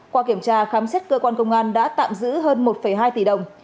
qua kiểm tra khám xét cơ quan công an đã tạm giữ hơn một hai tỷ đồng